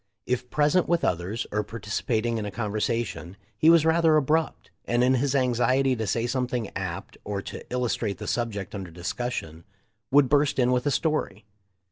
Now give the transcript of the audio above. If present with others, or participating in a conversa tion, he was rather abrupt, and in his anxiety to say something apt or to illustrate the subject under discussion, would burst in with a story.